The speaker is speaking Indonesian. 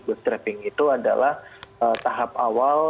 boostrapping itu adalah tahap awal